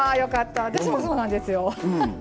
私もそうなんですよ。